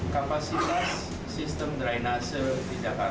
kapasitas sistem drainase di jakarta itu berkisar antara lima puluh sampai seratus